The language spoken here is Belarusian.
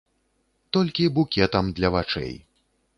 Толькі букетам для вачэй.